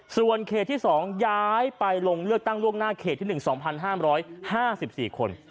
ส่วนเขตที่สองย้ายไปลงเลือกตั้งล่วงหน้าเขตที่หนึ่งสองพันห้ามร้อยห้าสิบสี่คน